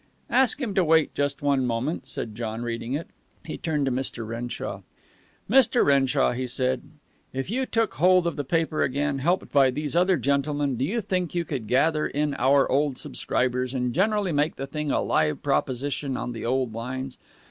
"Ask him to wait just one moment," said John, reading it. He turned to Mr. Renshaw. "Mr. Renshaw," he said, "if you took hold of the paper again, helped by these other gentlemen, do you think you could gather in our old subscribers and generally make the thing a live proposition on the old lines?